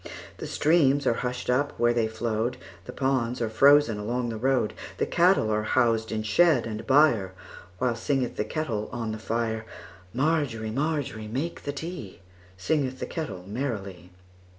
The streams are hushed up where they flowed, The ponds are frozen along the road, The cattle are housed in shed and byreWhile singeth the kettle on the fire. Margery, Margery, make the tea, Singeth the kettle merrily.